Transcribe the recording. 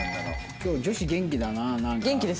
今日女子元気だななんか。